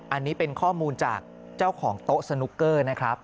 อันนี้เป็นข้อมูลจากเจ้าของโต๊ะสนุกเกอร์นะครับ